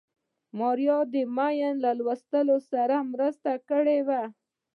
ماريا د ماين له ويستلو سره مرسته کړې وه.